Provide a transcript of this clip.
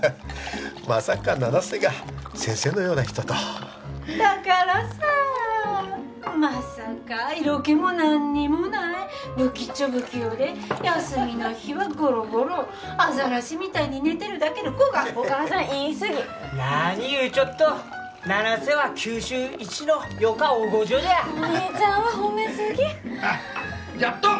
まさか七瀬が先生のような人とだからさまさか色気も何にもないぶきっちょ不器用で休みの日はゴロゴロアザラシみたいに寝てるだけの子がお母さん言いすぎ何いうちょっと七瀬は九州一のよかおごじょじゃお兄ちゃんは褒めすぎじゃっどん